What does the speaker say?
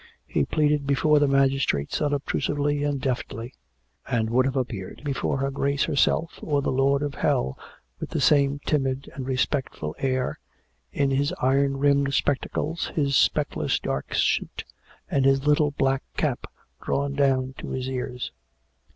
He pleaded before the magistrates unobtrusively and deftly; and would have appeared before her Grace herself or the Lord of Hell with the same timid and respectful air, in his iron rimmed spectacles, his speckless dark suit, and his little black cap drawn down to his ears.